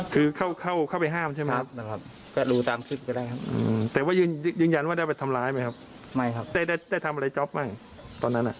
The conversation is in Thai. คือเข้าไปห้ามใช่ไหมครับแต่ว่ายืนยังว่าได้ไปทำร้ายไหมครับได้ทำอะไรจ๊อปบ้างตอนนั้น